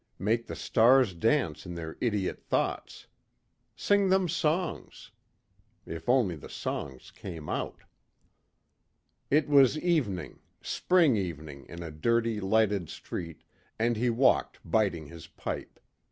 Make the stars dance in their idiot thoughts. Sing them songs. If only the songs came out. It was evening, spring evening in a dirty lighted street, and he walked biting his pipe.